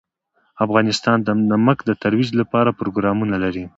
افغانستان د نمک د ترویج لپاره پروګرامونه لري.